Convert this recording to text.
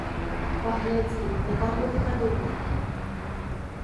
Паглядзі, на каго ты падобная!